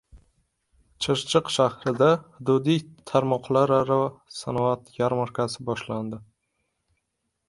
Chirchiq shahrida «Hududiy tarmoqlararo sanoat yarmarka»si boshlandi